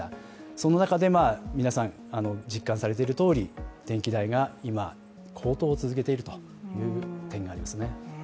その中で皆さん実感されているとおり電気代が今、高騰を続けているという点がありますね。